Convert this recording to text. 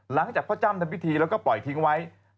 หลังจากพ่อจ้ำทำพิธีแล้วก็ปล่อยทิ้งไว้